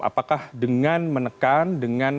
apakah dengan menekan